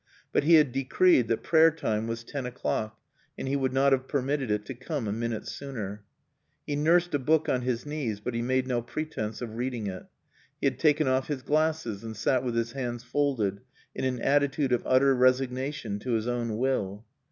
But he had decreed that prayer time was ten o'clock and he would not have permitted it to come a minute sooner. He nursed a book on his knees, but he made no pretence of reading it. He had taken off his glasses and sat with his hands folded, in an attitude of utter resignation to his own will.